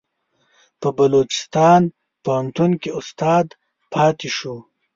په بلوچستان پوهنتون کې استاد پاتې شو.